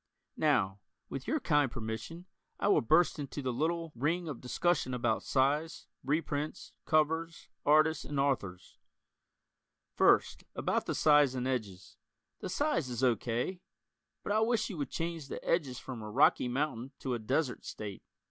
Now, with your kind permission, I will burst into the little (?) ring of discussion about size, reprints, covers, artists and authors. First, about the size and edges: The size is O. K., but I wish you would change the edges from a "rocky mountain" to a "desert" state.